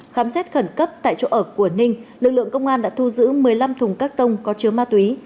khám xét khẩn cấp tại chỗ ở của ninh lực lượng công an đã thu giữ một mươi năm thùng các tông có chứa ma túy